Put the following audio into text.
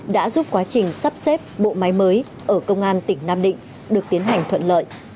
đã giúp quá trình sắp xếp bộ máy mới ở công an tỉnh nam định được tiến hành thuận lợi